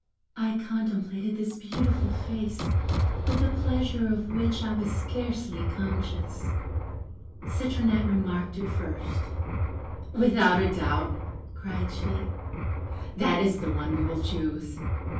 "I contemplated this beautiful face with a pleasure of which I was scarcely conscious. Citronette remarked it first. 'Without a doubt,' cried she, 'that is the one we will choose.'